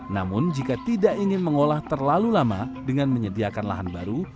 namun jika tidak ingin mengolah terlalu lama dengan menyediakan lahan baru